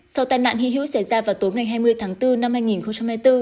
sau tai nạn hy hữu xảy ra vào tối ngày hai mươi tháng bốn năm hai nghìn hai mươi bốn